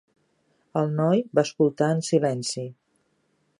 El noi va escoltar en silenci.